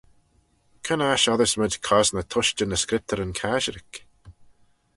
Cre'n aght oddysmayd cosney tushtey ny Scriptyryn Casherick?